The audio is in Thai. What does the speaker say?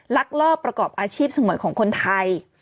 ลักลอบประกอบอาชีพสงวนของคนไทย